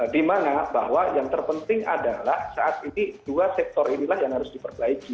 dimana bahwa yang terpenting adalah saat ini dua sektor inilah yang harus diperbaiki